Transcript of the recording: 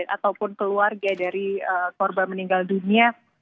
ataupun keluarga dari korban meninggal dunia